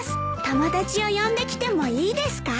友達を呼んできてもいいですか？